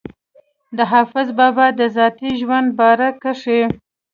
د حافظ بابا د ذاتي ژوند باره کښې